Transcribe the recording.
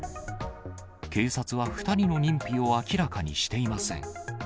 警察は２人の認否を明らかにしていません。